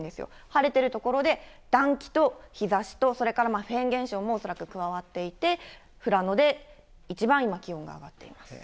晴れてる所で暖気と日ざしと、それからフェーン現象も恐らく加わっていて、富良野で一番今、気温が上がっています。